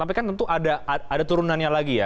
tapi kan tentu ada turunannya lagi ya